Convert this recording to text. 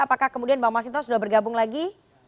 apakah kemudian bang masinto sudah bergabung lagi